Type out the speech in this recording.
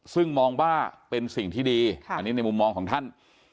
ซึ่งมองว่าเป็นสิ่งที่ดีอันนี้ในมุมมองของท่าน